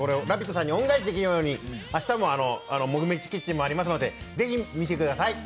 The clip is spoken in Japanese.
さんに恩返しできるように、明日も「モグ飯キッチン」もありますので、ぜひ見てください。